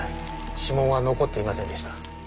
指紋は残っていませんでした。